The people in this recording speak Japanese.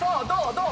どう？